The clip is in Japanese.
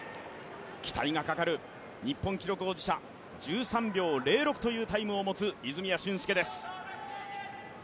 期待がかかる日本記録保持者、１３秒０６というタイムを持つ泉谷駿介です。